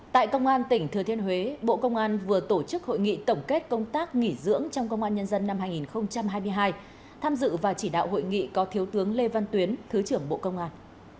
tại công an tỉnh thừa thiên huế bộ công an vừa tổ chức hội nghị tổng kết công tác nghỉ dưỡng trong công an nhân dân năm hai nghìn hai mươi hai tham dự và chỉ đạo hội nghị có thiếu tướng lê văn tuyến thứ trưởng bộ công an